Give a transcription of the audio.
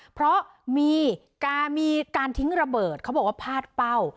เพราะมีการทิ้งระเบิดเขาบอกว่าพาดเป้า